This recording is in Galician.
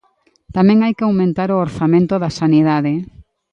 Tamén hai que aumentar o orzamento da sanidade.